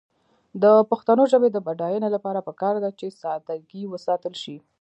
د پښتو ژبې د بډاینې لپاره پکار ده چې ساده ګي وساتل شي.